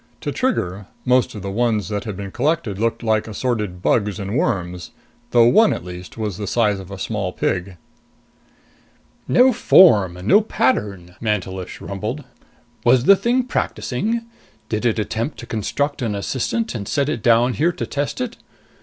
To Trigger, most of the ones that had been collected looked like assorted bugs and worms, though one at least was the size of a small pig. "No form, no pattern," Mantelish rumbled. "Was the thing practicing? Did it attempt to construct an assistant and set it down here to test it?